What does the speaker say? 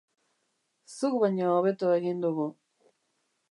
Zuk baino hobeto egin dugu.